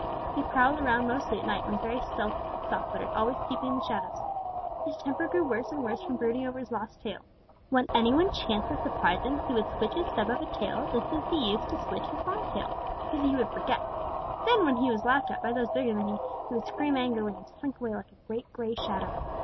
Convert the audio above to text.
He prowled around mostly at night and was very stealthy and soft footed, always keeping in the shadows. His temper grew worse and worse from brooding over his lost tail. When any one chanced to surprise him, he would switch his stub of a tail just as he used to switch his long tail. You see he would forget. Then when he was laughed at by those bigger than he, he would scream angrily and slink away like a great, gray shadow.